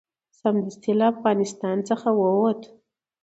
سمدستي له افغانستان څخه ووت.